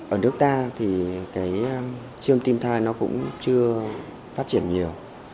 ở nước ta thì cái siêu tim thai nó cũng chưa phát triển nhiều